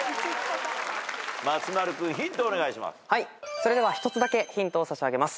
それでは１つだけヒントを差し上げます。